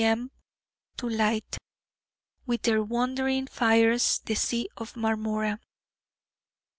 M., to light with their wandering fires the Sea of Marmora.